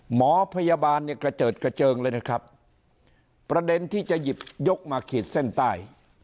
หมอพยาบาลเนี่ยกระเจิดกระเจิงเลยนะครับประเด็นที่จะหยิบยกมาขีดเส้นใต้